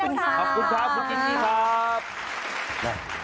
ขอบคุณครับคุณจี้จี้ครับ